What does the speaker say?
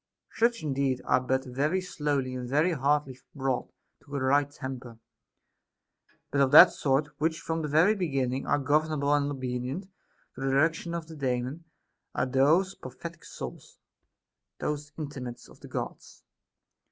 Such indeed are but very slowly and very hardly brought to a right temper ; but of that sort which from the very begin ning are governable and obedient to the direction of the Daemon, are those prophetic sonls, those intimates of the Gods.